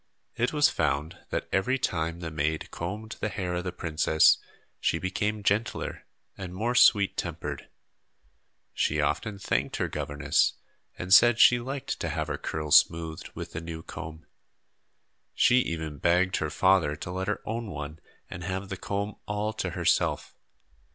It was found that every time the maid combed the hair of the princess she became gentler and more sweet tempered. She often thanked her governess and said she liked to have her curls smoothed with the new comb. She even begged her father to let her own one and have the comb all to herself.